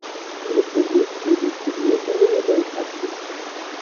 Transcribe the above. Elle est produite et distribuée par le Label Praxis.